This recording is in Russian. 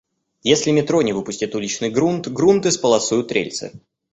Если метро не выпустит уличный грунт — грунт исполосуют рельсы.